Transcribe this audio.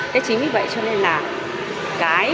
thế chính vì vậy cho nên là